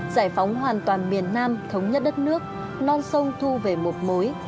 giải phóng hoàn toàn miền nam thống nhất đất nước non sông thu về một mối